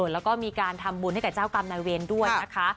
แล้วก็มีการทำบุญให้กับเจ้ากรรมนายเวรด้วยนะคะ